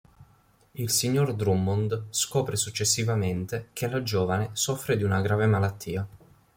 Il signor Drummond scopre successivamente che la giovane soffre di una grave malattia.